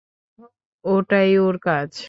এটাই ওর কাজ!